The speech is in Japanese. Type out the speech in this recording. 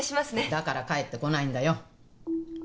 だから帰ってこないんだよ。